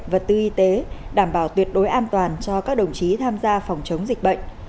vật tư y tế đảm bảo tuyệt đối an toàn cho các đồng chí tham gia phòng chống dịch bệnh